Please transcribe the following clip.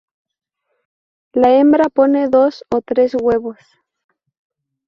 La hembra pone dos o tres huevos.